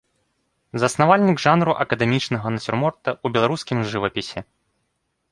Заснавальнік жанру акадэмічнага нацюрморта ў беларускім жывапісе.